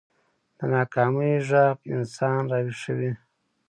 د ناکامۍ غږ انسان راويښوي